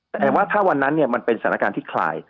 แต่ว่าถ้าวันนั้นมันเป็นสถานการณ์ที่คลาย